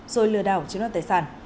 rồi lừa đảo chiếc đoàn tài sản